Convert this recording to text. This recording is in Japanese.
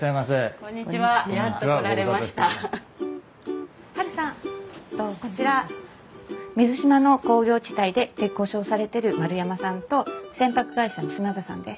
こちら水島の工業地帯で鉄工所をされてる丸山さんと船舶会社の砂田さんです。